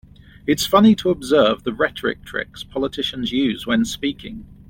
It's funny to observe the rhetoric tricks politicians use when speaking.